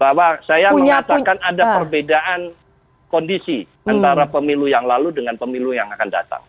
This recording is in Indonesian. bahwa saya mengatakan ada perbedaan kondisi antara pemilu yang lalu dengan pemilu yang akan datang